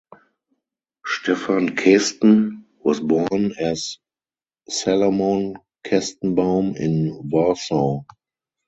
Stefan Kesten was born as Salomon Kestenbaum in Warsaw.